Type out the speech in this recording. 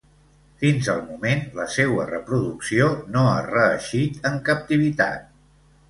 Fins al moment, la seua reproducció no ha reeixit en captivitat.